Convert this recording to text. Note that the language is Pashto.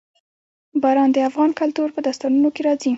باران د افغان کلتور په داستانونو کې راځي.